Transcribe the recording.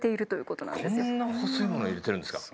こんな細いもの入れてるんですか。